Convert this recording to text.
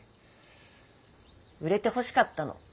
売れてほしかったの。